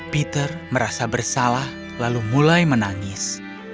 peter merasa bersalah lalu mulai menangis